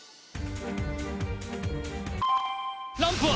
ランプは